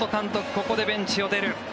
ここでベンチを出る。